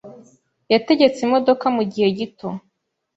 Yategetse imodoka mu gihe gito .